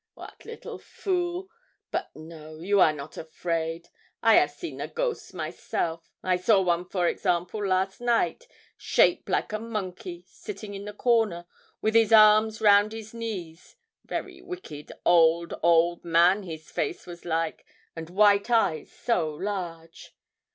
'Wat little fool! But no, you are not afraid. I 'av seen the ghosts myself. I saw one, for example, last night, shape like a monkey, sitting in the corner, with his arms round his knees; very wicked, old, old man his face was like, and white eyes so large.'